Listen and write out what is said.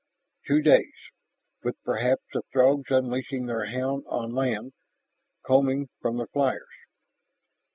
Two days. With perhaps the Throgs unleashing their hound on land, combing from their flyers.